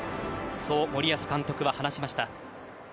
そう森保監督は話しました。